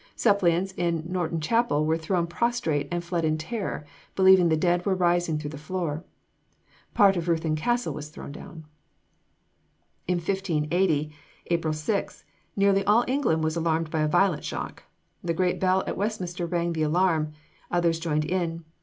Suppliants in Norton Chapel were thrown prostrate and fled in terror, believing the dead were rising through the floor. Part of Ruthin Castle was thrown down. In 1580, April 6, nearly all England was alarmed by a violent shock. The great bell at Westminster rang the alarm; others joined in.